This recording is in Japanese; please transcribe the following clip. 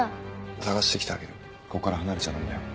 探してきてあげるここから離れちゃダメだよ。